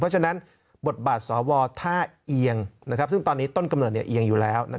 เพราะฉะนั้นบทบาทสวท่าเอียงซึ่งตอนนี้ต้นกำเนิดเอียงอยู่แล้ว